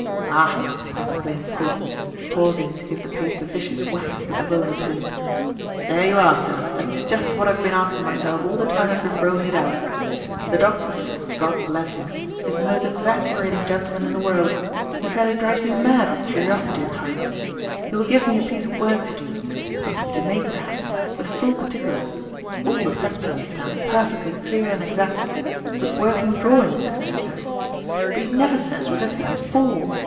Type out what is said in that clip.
"Ah!" exclaimed Polton, pausing to give the paste a vicious whack with the rolling pin, "there you are, sir. That's just what I've been asking myself all the time I've been rolling it out. The Doctor, sir God bless him is the most exasperating gentleman in the world. He fairly drives me mad with curiosity, at times. He will give me a piece of work to do something to make, perhaps with full particulars all the facts, you understand, perfectly clear and exact, with working drawings if necessary. But he never says what the thing is for.